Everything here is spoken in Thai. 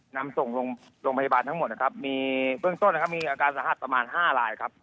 นำส่งลงพยาบาลทั้งหมดมีเฟืองโซ่นมีอาการสหัสประมาณ๕ราย